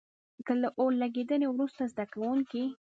که له اور لګېدنې وروسته زده کوونکي.